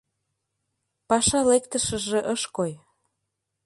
Паша лектышыже ыш кой.